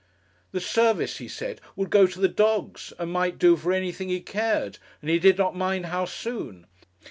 'The service,' he said, 'would go to the dogs, and might do for anything he cared, and he did not mind how soon.